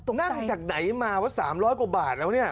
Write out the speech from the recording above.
นั่งจากไหนมาว่า๓๐๐กว่าบาทแล้วเนี่ย